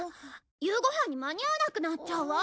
夕ご飯に間に合わなくなっちゃうわ。